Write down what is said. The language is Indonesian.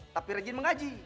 tapi rejin mengaji